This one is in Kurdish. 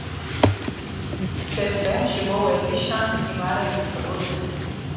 Sebze, ji bo werzîşvan tîmarên bisûd in.